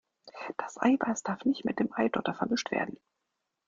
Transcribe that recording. Das Eiweiß darf nicht mit dem Eidotter vermischt werden!